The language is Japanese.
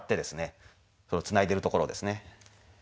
それをつないでるところですね。